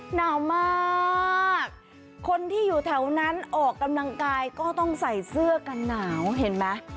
หนาวมากคนที่อยู่แถวนั้นออกกำลังกายก็ต้องใส่เสื้อกันหนาวเห็นไหม